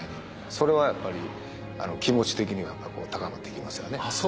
それはやっぱり気持ち的には高まっていきますよね。